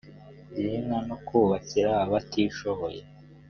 girinka no kubakira abatishoboye